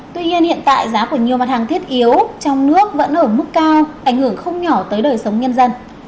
tuy nhiên hiện tại giá của nhiều mặt hàng thiết yếu trong nước vẫn ở mức cao ảnh hưởng không nhỏ tới đời sống nhân dân